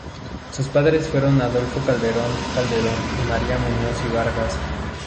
Sus padres fueron Adolfo Calderón Calderón y María Muñoz y Vargas.